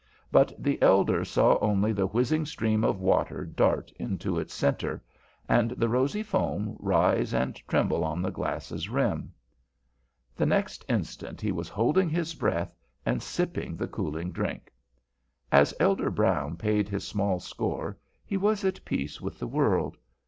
But the elder saw only the whizzing stream of water dart into its center, and the rosy foam rise and tremble on the glass's rim. The next instant he was holding his breath and sipping the cooling drink. As Elder Brown paid his small score he was at peace with the world.